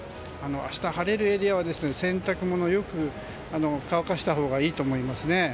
明日、晴れるエリアは洗濯物をよく乾かしたほうがいいと思いますね。